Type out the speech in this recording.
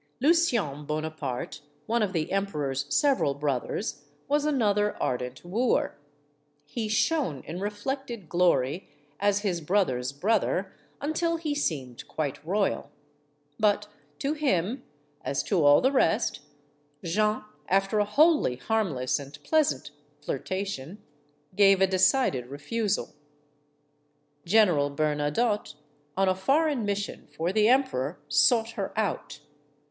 Lucien Bonaparte, one of the emperor's several brothers, was another ardent wooer. He shone in reflected glory, as his brother's brother, until he seemed quite royal. But to him, as to all the rest, Jeanne after a wholly harmless and pleasant flirtation gave a decided refusal. General Bernadotte, on a foreign mission for thi. 242 STORIES OF THE SUPER WOMEN emperor, sought her out.